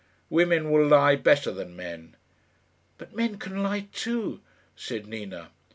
Women will lie better than men." "But men can lie too," said Nina.